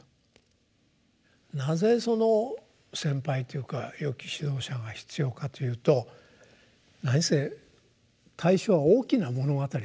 なぜその先輩というかよき指導者が必要かというと何せ「歎異抄」は「大きな物語」ですよ。